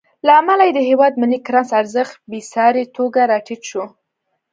له امله یې د هېواد ملي کرنسۍ ارزښت بېساري توګه راټیټ شو.